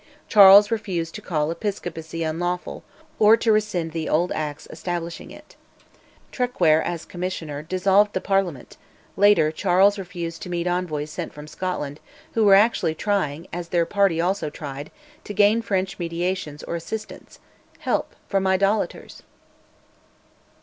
Charles refused to call Episcopacy unlawful, or to rescind the old Acts establishing it. Traquair, as Commissioner, dissolved the Parliament; later Charles refused to meet envoys sent from Scotland, who were actually trying, as their party also tried, to gain French mediation or assistance, help from "idolaters"!